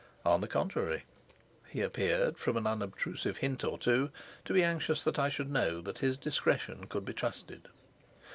On the contrary, he appeared, from an unobtrusive hint or two, to be anxious that I should know that his discretion could be trusted.